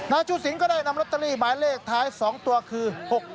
ชูสินก็ได้นำลอตเตอรี่หมายเลขท้าย๒ตัวคือ๖๖